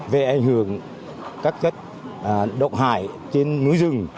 về ảnh hưởng các chất độc hại trên núi rừng